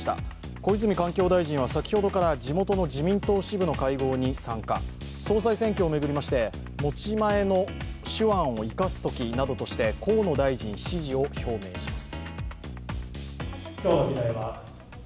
小泉環境大臣は先ほどから地元の自民党支部の会合に参加、総裁選挙を巡りまして持ち前の手腕を生かすときなどとして河野大臣支持を表明します。